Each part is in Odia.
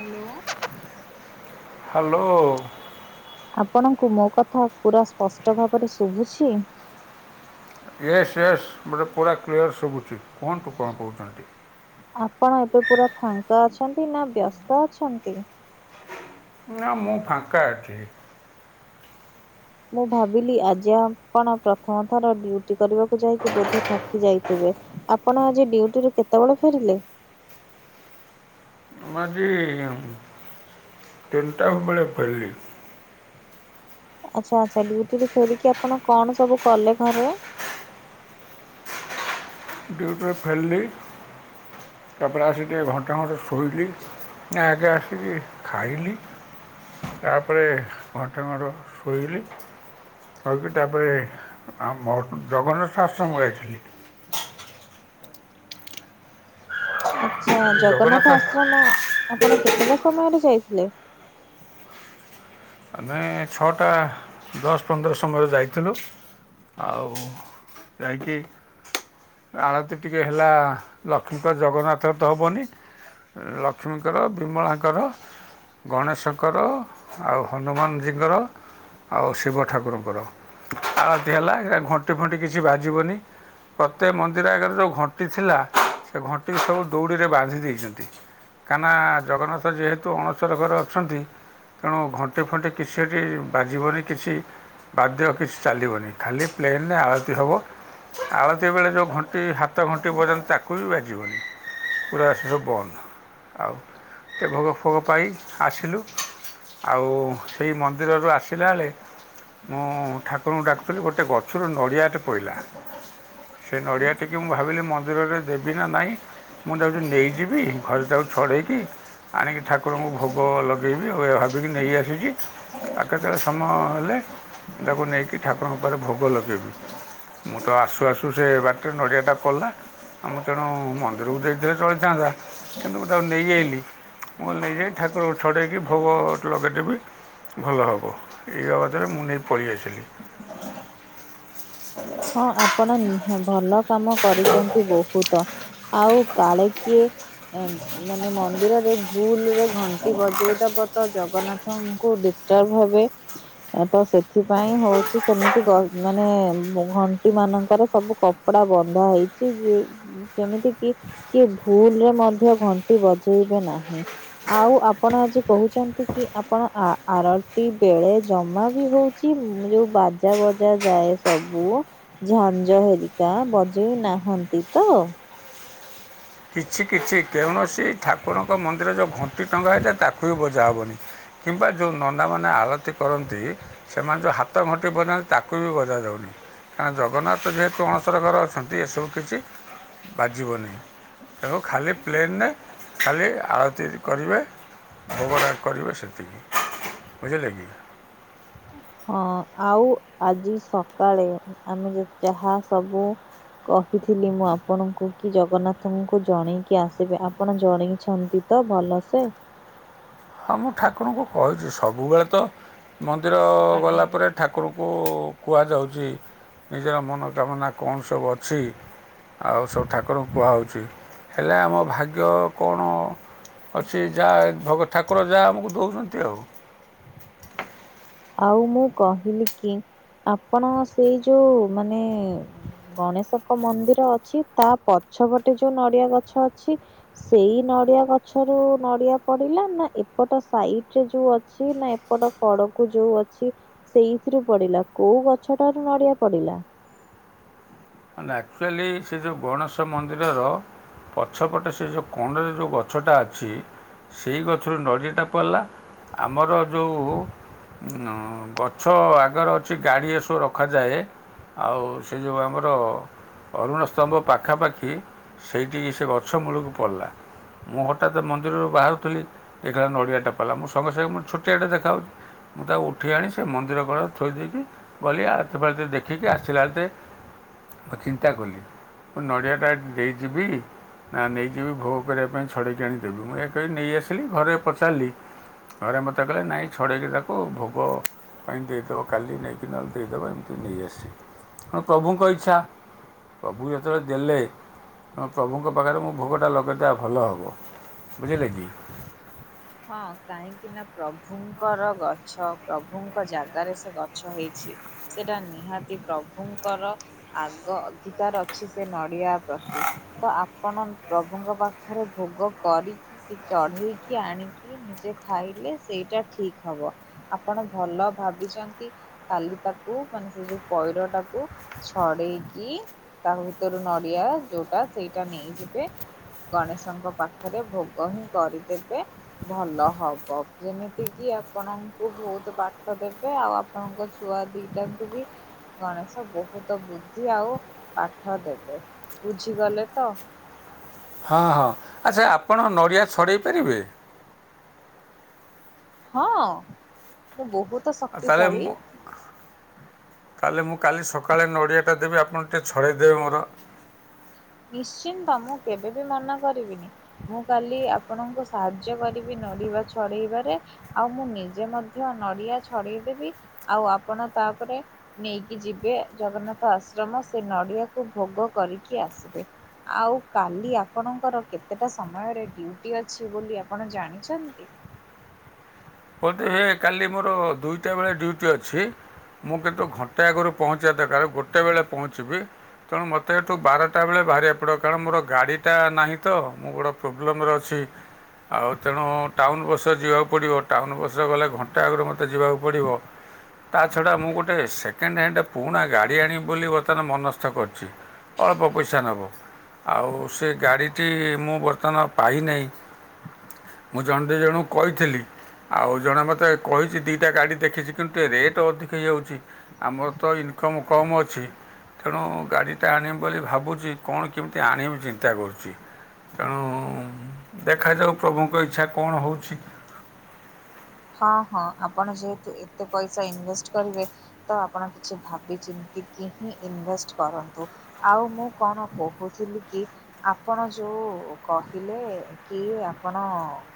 ହାଲୋ। ହାଲୋ। ଆପଣଙ୍କୁ ମୋ କଥା ପୁରା ସ୍ପଷ୍ଟ ଭାବରେ ଶୁଭୁଛି? ଇଏସ୍ ଇଏସ୍ ମତେ ପୁରା କ୍ଲିଅର୍ ଶୁଭୁଛି କୁହନ୍ତୁ କଣ କହୁଚନ୍ତି। ଆପଣ ଏବେ ପୁରା ଫାଙ୍କା ଅଛନ୍ତି ନାଁ ବ୍ୟସ୍ତ ଅଛନ୍ତି। ନାଁ ମୁଁ ଫାଙ୍କା ଅଛି। ମୁଁ ଭାବିଲି ଆଜି ଆପଣ ପ୍ରଥମ ଥର ଡିଉଟି କରିବାକୁ ଯାଇକି ବୋଧେ ଥକି ଯାଇଥିବେ। ଆପଣ ଆଜି ଡିଉଟିରୁୁ କେତେବେଳେ ଫେରିଲେ? ମୁଁ ଆଜି ଉମଁ ତିନିଟା ବେଳେ ଫେରିଲି। ଆଚ୍ଛା ଆଚ୍ଛା ଡିଉଟି ରୁ ଫେରିକି ଆପଣ କଣ ସବୁ କଲେ ଘରେ। ଡିଉଟିରେ ଫେରିଲି ତାପରେ ଆସିକି ଟିକେ ଘଣ୍ଟେ ଖଣ୍ଟେ ଶୋଇଲି। ନାଁ ଆଗେ ଆସିକି ଖାଇଲି। ତାପରେ ଘଣ୍ଟେ ଖଣ୍ଡ ଶୋଇଲି। କହିକି ତାପରେ ଆମ ଜଗନ୍ନାଥ ଆଶ୍ରମ ଯାଇଥିଲି। ଆଚ୍ଛା ଜଗନ୍ନାଥ ଆଶ୍ରମ ଆପଣ କେତେଟା ସମୟରେ ଯାଇଥିଲେ? ଏଁ ଛଅଟା ଦଶ ପନ୍ଦର ଷୋଳରେ ଯାଇଥିଲୁ। ଆଉଁ ଯାଇକି ଆଳତି ଟିକେ ହେଲା ଲକ୍ଷ୍ମୀଙ୍କ ଜଗନ୍ନାଥ ତ ହବନି ଲକ୍ଷ୍ମୀଙ୍କର ବିମଳାଙ୍କର ଗଣେଶଙ୍କର ଆଉ ହନୁମାନ ସିଙ୍କର ଆଉ ଶିବ ଠାକୁରଙ୍କର ଆଳତୀ ହେଲାଇ ଘଣ୍ଟି ଫଣ୍ଟି କିଛି ବାଜିବନି ପ୍ରତ୍ୟେକ ମନ୍ଦିର ଆଗରେ ଯେଉଁ ଘଣ୍ଟି ଥିଲା ସେ ଘଣ୍ଟି ସବୁ ଦୌଡ଼ିରେ ବାନ୍ଧି ଦେଇଛନ୍ତି। କାହିଁକନା ଜଗନ୍ନାଥ ଯେହେତୁ ଅଣସର ଘରେ ଅଛନ୍ତି ତେଣୁ ଘଣ୍ଟି ଫଣ୍ଟିେ କି ସେଠି ବାଜିବନି କିଛି ବାଧ୍ୟ କିଛି ଚାଲିବନି ଖାଲି ପ୍ଲେନରେ ଆଳତି ହବ ଆଳତି ବେଳେ ଯେଉଁ ଘଣ୍ଟି ହାତ ଘଣ୍ଟି ବଜାନ୍ତି ତାକୁ ବି ବାଜିବନି ପୁରା ସବୁ ବନ୍ଦ ଆଉ ଏ ଭୋଗ ଫୋଗ ପାଇ ଆସିଲୁ। ଆଉ ସେଇ ମନ୍ଦିରରୁ ଆସିଲା ବେଳେ ମୁଁ ଠାକୁରଙ୍କୁ ଡାକୁଥିଲି ଗୋଟେ ଗଛରୁ ନଡ଼ିଆଟେ ପଇଲା। ସେ ନଡ଼ିଆ ଟିକି ମୁଁ ଭାବିଲି ମନ୍ଦିରରେ ଦେବି ନାଁ ନାଇଁ ମୁଁ ଯାଉଛି ନେଇଯିବି ଘରେ ତାକୁ ଛଡେଇକି ଆଣିକି ଠାକୁରଙ୍କୁ ଭୋଗ ଲଗେଇବି ଆଉ ଏଇୟା ଭାବିକି ନେଇ ଆସିଛି। ଆଉ କେତେବେଳେ ସମୟ ହେଲେ ତାକୁ ନେଇକି ଠାକୁରଙ୍କ ପାଖରେ ଭୋଗ ଲଗେଇବି। ମୁଁ ତ ଆସୁ ଆସୁ ସେ ବାଟରେ ନଡ଼ିଆ ଟା ପଡିଲା। ଆଁ ମୁଁ ତେଣୁ ମନ୍ଦିରକୁ ଦେଇଥିଲେ ଚଳିଥାନ୍ତା କିନ୍ତୁ ମୁଁ ତାକୁ ନେଇଆଇଲି ମୁଁ ନେଇଯାଇ ଠାକୁରଙ୍କୁ ଛଡ଼େଇକି ଭୋଗ ଲଗେଇଦେବି। ଭଲ ହବ ଏଇ ବାବଦରେ ମୁଁ ନେଇ ପଳେଇ ଆସିଲି। ହଁ ଆପଣ ନୁହଁ ଭଲ କାମ କରିଛନ୍ତି ବହୁତ ଆଉ କାଳେ କିଏ ଏଁ ମାନେ ମନ୍ଦିରରେ ଭୁଲ ରେ ଘଣ୍ଟି ବଜେଇଦବ ତ ଜଗନ୍ନାଥ ତାଙ୍କୁ ଡିଷ୍ଟର୍ଭ ହେବେ। ତ ସେଥିପାଇଁ ହଉଛି ସେମିତି ଗର ମାନେ ଘଣ୍ଟି ମାନଙ୍କରେ ସବୁ କପଡା ବନ୍ଧା ହେଇଛି। ଯିଏ ସେମିତି କି କିଏ ଭୁଲରେ ମଧ୍ୟ ଘଣ୍ଟି ବଜେଇବେ ନାହିଁ। ଆଉ ଆପଣ ଆଜି କହୁଛନ୍ତି କି ଆପଣ ଆ ଆରତି ବେଳେ ଜମା ବି ଭୁଲ କି ଉଁ ମଁ ଯୋଉଁ ବାଜା ବଜା ଯାଏ ସବୁ ଝାଞ୍ଜ ହରିକା ବଜେଇ ନାହାନ୍ତି ତ? କିଛି କିଛି କୌଣସି ଠାକୁରଙ୍କ ମନ୍ଦିର ଯେଉଁ ଘଣ୍ଟି ଟଙ୍ଗା ହେଇଥାଏ ତାକୁ ବି ବଜା ହବନି। କିମ୍ବା ଯୋଉ ନନାମାନେ ଆଳତୀ କରନ୍ତି। ସେମାନେ ଯୋଉ ହାତଘଣ୍ଟି ବଜାନ୍ତି ତାକୁ ବି ବଜାଯାଉନି। କାରଣ ଜଗନ୍ନାଥ ଯେହେତୁ ଅଣସର ଘରେ ଅଛନ୍ତି ଏସବୁ କିଛି ବାଜିବନି। ଏବଂ ଖାଲି ପ୍ଲେନରେ ଖାଲି ଆଳତି କରିବେ। ଭୋଗ ରାଗ କରିବେ ସେତିକି, ବୁଝିଲେ କି? ହଁ, ଆଉ ଆଜି ସକାଳେ ଆମେ ଯେତେ ଯାହା ସବୁ କହିଥିଲି ମୁଁ ଆପଣଙ୍କୁ କି ଜଗନ୍ନାଥଙ୍କୁ ଜଣେଇକି ଆସିବେ ଆପଣ ଜଣେଇଛନ୍ତି। ତ ଭଲସେ। ହଁ ମୁଁ ଠାକୁରଙ୍କୁ କହିଛି ସବୁବେଳେ ତ ମନ୍ଦିର ଗଲା ପରେ ଠାକୁରଙ୍କୁ କୁହାଯାଉଛି। ନିଜର ମନୋକାମନା କଣ ସବୁ ଅଛି। ଆଉ ସବୁ ଠାକୁରଙ୍କୁ କୁହାହେଉଛି ହେଲେ ଆମ ଭାଗ୍ୟ କଣ? ଅଛି ଯାହା ଭଗତ ଠାକୁର ଯାହା ଆମକୁ ଦଉଛନ୍ତି ଆଉ। ଆଉ ମୁଁ କହିଲି କି, ଆପଣ ସେଇ ଯୋଉ ମାନେ ଗଣେଶଙ୍କ ମନ୍ଦିର ଅଛି, ତା ପଛପଟେ ଯୋଉ ନଡିଆ ଗଛ ଅଛି। ସେଇ ନଡ଼ିଆ ଗଛରୁ ନଡ଼ିଆ ପଡିଲା। ନା ଏପଟ ସାଇଡ ରେ ଯୋଉଅ ଅଛି ନା ଏପଟ କଡ଼କୁ। କୁ ଯୋଉ ଅଛି ସେଇଥିରୁ ପଡିଲା କୋଉ ଗଛଟାରୁ ନଡିଆ ପଡିଲା। ମାନେ ଆକ୍ଚୁଆଲି ସେ ଯେଉଁ ଗଣେଶ ମନ୍ଦିରର ପଛପଟେ ସେ ଯେଉଁ କୋଣରେ ଯୋଉ ଗଛଟା ଅଛି ସେଇ ଗଛରୁ ନଡିଆଟା ପଡ଼ିଲା ଆମର ଯୋଉ ଗଛ ଆଗରେ ଅଛି ଗାଡ଼ି ଏସବୁ ରଖାଯାଏ। ଆଉ ସେ ଯୋଉ ଆମର ଅରୁଣ ସ୍ତମ୍ଭ ପାଖାପାଖି ସେଇଠି ସେ ଗଛ ମୂଳକୁ ପଡ଼ିଲା। ମୁଁ ହଠାତ୍ ମନ୍ଦିରରୁ ବାହାରୁଥିଲି ଦେଖିଲାବେଳକୁ ନଡ଼ିଆଟା ପଇଲା ମୁଁ ସଙ୍ଗେ ସଙ୍ଗେ ମତେ ଛୋଟିଆଟେ ଦେଖାଯାଉଛି। ମୁଁ ତାକୁ ଉଠେଇ ଆଣି ସେ ମନ୍ଦିର କଡରେ ଥୋଇ ଦେଇକି, ଗଲି ଆଳତୀ ଫାଳତୀ ଦେଖିକି ଆସିଲା ହାତେ ମୁଁ ଚିନ୍ତା କଲି ମୁଁ ନଡ଼ିଆଟା ଏଠି ଦେଇଯିବି। ନା ନେଇଯିବି ଭୋଗ କରିବା ପାଇଁ ଛଡ଼େଇକି ଆଣି ଦେବି। ମୁଁ ଏହା କହି ନେଇଆସିଲି, ଘରେ ପଚାରିଲି। ଘରେ ମତେ କହିଲେ ନାଇଁ ଛଡେଇକି ତାକୁ ଭୋଗ ପାଇଁ ଦେଇଦେବ କାଲି ନେଇକି ନହେଲେ ଦେଇଦେବା ଏମିତି ନେଇଆସିଛି। କଣ ପ୍ରଭୁଙ୍କ ଇ ଇଚ୍ଛା, ପ୍ରଭୁ ଯେତେବେଳେ ଦେଲେ। ହଁ, ପ୍ରଭୁଙ୍କ ପାଖରେ ମୁଁ ଭୋଗଟା ଲଗେଇଦେବା ଭଲ ହେବ। ବୁଝିଲେ କି। ହଁ, କାହିଁ କାହିଁକିନା, ପ୍ରଭୁଙ୍କର ଗଛ, ପ୍ରଭୁଙ୍କ ଜାଗାରେ ସେ ଗଛ ହେଇଛି। ସେଟା ନିହାତି ପ୍ରଭୁଙ୍କର। ଆଗ ଅଧିକାର ଅଛି ସେ ନଡିଆ ପ୍ରତି। ତ ଆପଣ ପ୍ରଭୁଙ୍କ ପାଖରେ ଭୋଗ କରିକି କି ଚଢେଇକି ଆଣିକି କି ନିଜେ ଖାଇଲେ ସେଇଟା ଠିକ୍ ହବ ଆପଣ ଭଲ ଭାବିଛନ୍ତି। ଖାଲି ତାକୁ ମାନେ ସେ ଯୋଉ ପଇଡଟାକୁ ଛଡେଇକି ତାହା ଭିତରୁ ନଡିଆ ଯୋଉଟା ସେଇଟା ନେଇଯିବେ। ଗଣେଶଙ୍କ ପାଖରେ ଭୋଗ ହିଁ କରିଦେବେ। ଭଲ ହବ। ଯେମିତି କିି ଆପଣଙ୍କୁ ବହୁତ ପାଠ ଦେବେ। ଆଉ ଆପଣଙ୍କ ଛୁଆ ଦିଟାଙ୍କୁ ବି ଗଣେଶ ବହୁତ ବୁଦ୍ଧି ଆଉ ପାଠ ଦେବେ। ବୁଝିଗଲେ ତ! ହଁ ହଁ, ଆଚ୍ଛା ଆପଣ ନଡ଼ିଆ ଛଡ଼େଇ ପାରିବେ। ହଁ। ମୁଁ ବହୁତ ଆଉ ତାହାଲେ ଶକ୍ତିଶାଳୀ ମୁ କାଲି ମୁଁ କାଲି ସକାଳେ ନଡ଼ିଆଟା ଦେବି ଆପଣ ଟିକେ ଛଡ଼େଇ ଦେବେ ମୋର। ନିଶ୍ଚିନ୍ତ ମୁଁ କେବେବି ମନା କରିବିନି। ମୁଁ କାଲି ଆପଣଙ୍କୁ ସାହାଯ୍ୟ କରିବି ନଡିବା ଛଡେଇବାରେ। ଆଉ ମୁଁ ନିଜେ ମଧ୍ୟ ନଡିଆ ଛଡେଇଦେବି ଆଉ ଆପଣ ତାପରେ ନେଇକି ଯିବେ ଜଗନ୍ନାଥ ଆଶ୍ରମ ସେ ନଡିଆକୁ ଭୋଗ କରିକି ଆସି ଆଉ କାଲି ଆପଣଙ୍କର କେତେଟା ସମୟରେ ଡ୍ୟୁଟି ଅଛି ବୋଲି ଆପଣ ଜାଣିଛନ୍ତି? ବୋଧହୁଏ କାଲି ମୋର ଦୁଇଟା ବେଳେ ଡ୍ୟୁଟି ଅଛି। ମୁଁ କିନ୍ତୁ ଘଣ୍ଟା ଆଗରୁ ପହଞ୍ଚିବା ଦରକାର ଗୋଟେବେେଳେ ପହଞ୍ଚିବି। ତେଣୁ ମୋତେ ଏଠୁ ବାରଟା ବେଳେ ବାହାରିବାକୁ ପଡ଼ିବ କାରଣ ମୋର ଗାଡ଼ିଟା ନାହିଁ ତ ମୁଁ ବଡ ପ୍ରୋବ୍ଲେମ୍ ରେ ଅଛି ଆଉ ତେଣୁ ଟାଉନ ବସରେ ଯିବାକୁ ପଡ଼ିବ। ଟାଉନ ବସ୍ ରେ ଗଲେ ଘଣ୍ଟେ ଆଗରୁ ମୋତେ ଯିବାକୁ ପଡ଼ିବ। ତା ଛଡ଼ା ମୁଁ ଗୋଟେ ସେକେଣ୍ଡ ହ୍ୟାଣ୍ଡ ପୁରୁଣା ଗାଡ଼ି ଆଣିବି ବୋଲି ବର୍ତ୍ତମାନ ମନସ୍ଥ କରିଛି। ଅଳ୍ପ ପଇସା ନବ। ଆଉ ସେ ଗାଡ଼ିଟି ମୁଁ ବର୍ତ୍ତମାନ ପାଇନାହିଁ। ମୁଁ ଜଣେ ଦି ଜଣଙ୍କୁ କହିଥିଲି। ଆଉ ଜଣେ ମୋତେ କହିଛି ଦିଇଟା ଗାଡ଼ି ଦେଖିଛି କିନ୍ତୁ ଏ ରେଟ୍ ଅଧିକା ହେଇଯାଉଛି। ଆମର ତ ଇନକମ୍ କମ୍ ଅଛି। ତେଣୁ ଗାଡ଼ିଟା ଆଣିବି ବୋଲି ଭାବୁଛି କଣ କେମିତି ଆଣିବି ଚିନ୍ତା କରୁଛି। ତେଣୁ ଦେଖାଯାଉ ପ୍ରଭୁଙ୍କ ଇଚ୍ଛା କଣ ହଉଛି? ହଁ ହଁ ଆପଣ ଯେହେତୁ ଏତେ ପଇସା ଇନଭେଷ୍ଟ କରିବେ। ତ ଆପଣ କିଛି ଭାବିଚିନ୍ତି କିି ହିଁ ଇନଭେଷ୍ଟ କରନ୍ତୁ। ଆଉ ମୁଁ କଣ କହୁଥିଲି କି? ଆପଣ ଯୋଉ କହିଲେ କି ଆପଣ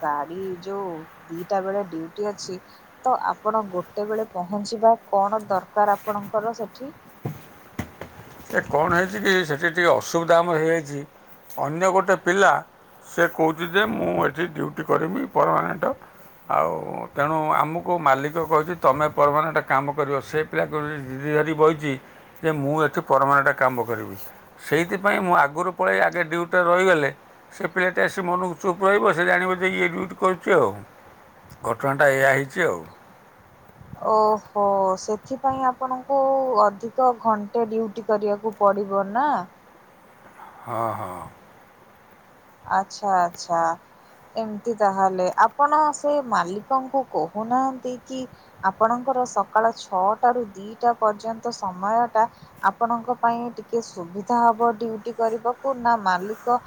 ଗାଡି ଯୋଉ ଦିଟା ବେଳେ ଡିଉ ଅଛି ତ ଆପଣ ଗୋଟେବେଳେ ପହଞ୍ଚିବା କଣ ଦରକାର ଆପଣଙ୍କର ସେଠି। ଏ କଣ ହେଇଛି କି ସେଠି ଟିକିଏ ଅସୁବିଧା ଆମର ହେଇଯାଇଛି ଅନ୍ୟ ଗୋଟେ ପିଲା ସେ କହୁଛି ଯେ ମୁଁ ଏଠି ଡ୍ୟୁଟି କରିବି ପରମାନେଣ୍ଟ। ଆଉ ତେଣୁ ଆମକୁ ମାଲିକ କହୁଛି ତୁମେ ପରମାନେଣ୍ଟ କାମ କରିବ ସେ [unintelligible] ଯେ ଜିଦି ଧରି ବଇଛି ମୁଁ ଏଠି ପରମାନେଟ୍ କାମ କରିବି। ସେଇଥିପାଇଁ ମୁଁ ଆଗରୁ ପଳାଇ ଆଗେ ଡ୍ୟୁଟିରେ ରହିଗଲେ। ସେ ପିଲାଟା ଆସି ମନକୁ ଚୁପ୍ ରହିବ ସେ ଜାଣିବ ଯେ ଡ୍ୟୁଟି ଇଏ କରୁଛି ଆଉ ଘଟଣାଟା ଏଇଆ ହେଇଛି ଆଉ ଓହୋ ସେଥିପାଇଁ ଆପଣଙ୍କୁ ଅଧିକ ଘଣ୍ଟେ ଡ୍ୟୁଟି କରିବାକୁ ପଡ଼ିବ ନା? ହଁ ହଁ। ଆଛା ଆଛା। ଏମିତି ତାହେଲେ ଆପଣ ସେ ମାଲିକଙ୍କୁ କହୁନାହାନ୍ତି କି ଆପଣଙ୍କର ସକାଳ ଛଅଟାରୁ ଦିଟା ପର୍ଯ୍ୟନ୍ତ ସମୟ ଟା ଆପଣଙ୍କ ପାଇଁ ଟିକେ ସୁବିଧା ହବ ଡିଉଟି କରିବାକୁ ନା ମାଲିକ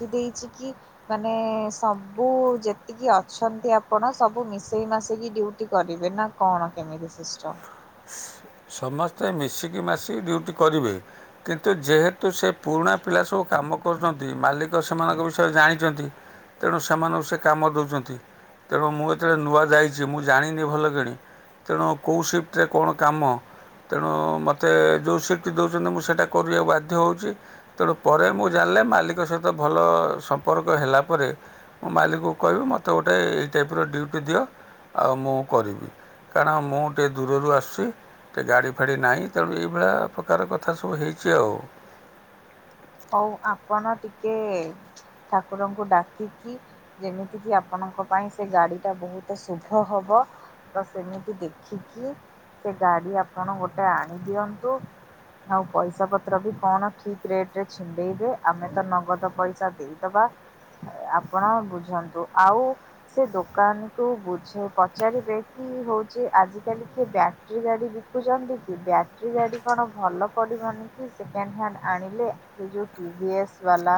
କି ଦେଇଛି କି ମାନେ ସବୁ ଯେତିକି ଅଛନ୍ତି ଆପଣ ସବୁ ମିଶେଇ ମାସେଇକି ଡୁଟି କରିବେ ନା? କଣ କେମିତି ସିଷ୍ଟମ୍? ସମସ୍ତେ ମିଶିକି ମାସିକି ଡ୍ୟୁଟି କରିବେ। କିନ୍ତୁ ଯେହେତୁ ସେ ପୁରୁଣା ପିଲା ସବୁ କାମ କରୁଛନ୍ତି ମାଲିକ ସେମାନଙ୍କ ବିଷୟରେ ଜାଣିଛନ୍ତି। ତେଣୁ ସେମାନଙ୍କୁ ସେ କାମ ଦେଉଛନ୍ତି। ତେଣୁ ମୁଁ ଯେତେବେଳେ ନୂଆ ଯାଇଛି ମୁଁ ଜାଣିନି ଭଲ କିଣି ତେଣୁ କୋଉ ସିଫ୍ଟ ରେ କଣ କାମ। ତେଣୁ ମୋତେ ଯେଉଁ ସିଫ୍ଟ ଦେଉଛନ୍ତି ମୁଁ ସେଇଟା କରିବାକୁ ବାଧ୍ୟ ହେଉଛି। ତେଣୁ ପରେ ମୁଁ ଜାଣିଲେ ମାଲିକ ସହିତ ଭଲ ସମ୍ପର୍କ ହେଲା ପରେ ମୁଁ ମାଲିକକୁ କହିବି ମୋତେ ଗୋଟେ ଏଇ ଟାଇପର ଡ୍ୟୁଟି ଦିଅ ଆଉ ମୁଁ କରିବି। କାରଣ ମୁଁ ଟେ ଦୂରରୁ ଆସୁଛି ଟିକେ ଗାଡ଼ି ଫାଡ଼ି ନାହିଁ ତେଣୁ ଏଇଭଳିଆ ପ୍ରକାର କଥା ସବୁ ହେଇଛି ଆଉ। ହଉ ଆପଣ ଟିକେ ଠାକୁରଙ୍କୁ ଡାକିକି ଯେମିତି କିି ଆପଣଙ୍କ ପାଇଁ ସେ ଗାଡି ଟା ବହୁତ ଶୁଭ ହବ। ତ ସେମିତି ଦେଖିକି ସେ ଗାଡି ଆପଣ ଗୋଟେ ଆଣିଦିଅନ୍ତୁ। ଆଉ ପଇସା ପତ୍ର ବି କଣ ଠିକ ରେଟ୍ ରେ ଛିଣ୍ଡେଇବେ ଆମେ ତ ନଗଦ ପଇସା ଦେଇଦବା। ଆପଣ ବୁଝନ୍ତୁ ଆଉ ସେ ଦୋକାନ କୁ ବୁଝ ପଚାରିବେ କି ହଉଛି ଆଜ କାଲି କି ବ୍ୟାଟେରୀ ଗାଡି ଦେଖୁଛନ୍ତି କି ବ୍ୟାଟେରୀ ଗାଡି କଣ ଭଲ ପଡିବନି କି ସେକେଣ୍ଡ ହ୍ୟାଣ୍ଡ ଆଣିଲେ। ସେ ଯଉଁ କିଟିଏସ୍ ବାଲା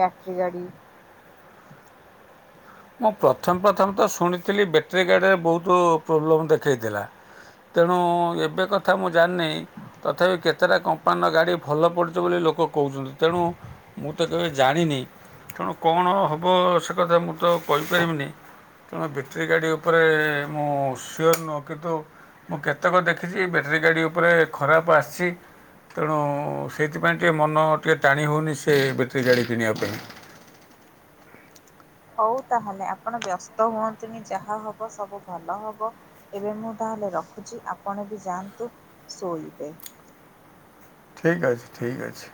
ବ୍ୟାଟରୀ ଗାଡି। ମୁଁ ପ୍ରଥମ ପ୍ରଥମ ତ ଶୁଣିଥିଲି ବ୍ୟାଟେରୀ ଗାଡ଼ିରେ ବହୁତ ପ୍ରୋବ୍ଲେମ୍ ଦେଖେଇଥିଲା। ତେଣୁ ଏବେ କଥା ମୁଁ ଜାଣିନି ତଥାପି କେତେଟା କମ୍ କମ୍ପାନୀ ଗାଡ଼ି ଭଲ ପଡୁଛି ବୋଲି ଲୋକ କହୁଛନ୍ତି ତେଣୁ ମୁଁ ତ କେବେ ଜାଣିନି। ତେଣୁ କଣ ହେବ ସେ କଥା ମୁଁ ତ କହିପାରିବିନି। ତେଣୁ ବ୍ୟାଟେରୀ ଗାଡ଼ି ଉପରେ ମୁଁ ସିଓର ନୁହ କିନ୍ତୁ ମୁଁ କେତେକ ଦେଖିଛି ବ୍ୟାଟେରୀ ଗାଡ଼ି ଉପରେ ଖରାପ ଆସିଛି। ତେଣୁ ସେଇଥିପାଇଁ ଟିକେ ମନ ଟିକିଏ ଟାଣି ହେଉନି ସେ ବ୍ୟାଟେରୀ ଗାଡ଼ି କିଣିବା ପାଇଁ। ହଉ ତାହେଲେ ଆପଣ ବ୍ୟସ୍ତ ହୁଅନ୍ତୁନି ଯାହା ହବ ସବୁ ଭଲ ହବ। ଏବେ ମୁଁ ତା ହେଲେ ରଖୁଛି ଆପଣ ବି ଯାଆନ୍ତୁ ଶୋଇବେ। ଠିକ ଅଛି ଠିକ୍ ଅଛି।